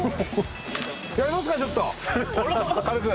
やりますか、ちょっと、軽く。